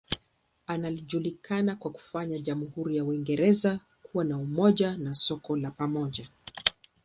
Anajulikana kwa kufanya jamhuri ya Uingereza kuwa na umoja na soko la pamoja.